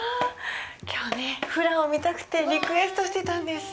きょうね、フラを見たくてリクエストしていたんです。